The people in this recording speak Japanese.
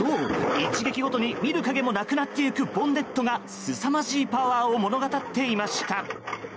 一撃ごとに見る影もなくなっていくボンネットがすさまじいパワーを物語っていました。